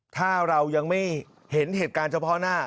ถ้าเรายังไม่เห็นเหตุการณ์เฉพาะหน้า